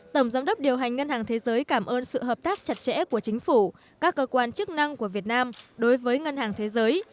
tổng giám đốc điều hành ngân hàng thế giới cảm ơn sự hợp tác chặt chẽ của chính phủ các cơ quan chức năng của việt nam đối với ngân hàng thế giới